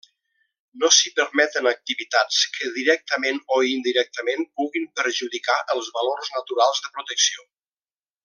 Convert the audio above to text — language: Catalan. No s'hi permeten activitats que directament o indirectament puguin perjudicar els valors naturals de protecció.